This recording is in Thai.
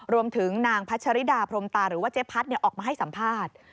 รวมถึงนางพัชริดาพรมตาหรือว่าเจ๊พัดออกมาให้สัมภาษณ์